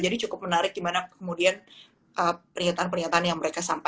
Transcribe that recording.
jadi cukup menarik gimana kemudian eee